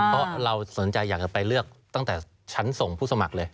เพราะเราสนใจอยากจะไปเลือกตั้งแต่ชั้นส่งผู้สมัครเลย